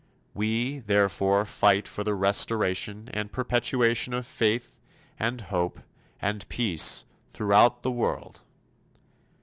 We, therefore, fight for the restoration and perpetuation of faith and hope and peace throughout the world.